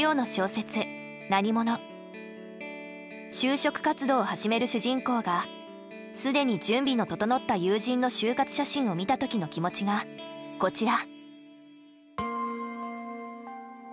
就職活動を始める主人公が既に準備の整った友人の就活写真を見た時の気持ちがこちら。